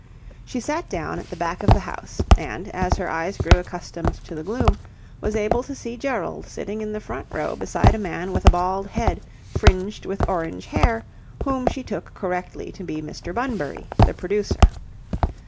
She sat down at the back of the house, and, as her eyes grew accustomed to the gloom, was able to see Gerald sitting in the front row beside a man with a bald head fringed with orange hair whom she took correctly to be Mr. Bunbury, the producer.